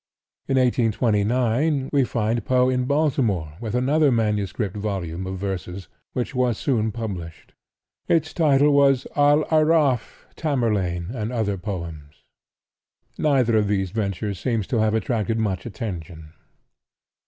In 1829 we find Poe in Baltimore with another manuscript volume of verses, which was soon published. Its title was "Al Aaraaf, Tamerlane and Other Poems." Neither of these ventures seems to have attracted much attention.